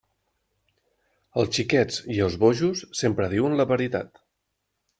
Els xiquets i els bojos sempre diuen la veritat.